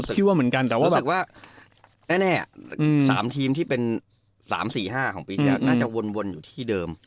แต่รู้สึกว่าแน่๓ทีมที่เป็น๓๔๕ของปีที่แล้วน่าจะวนอยู่ที่เดิม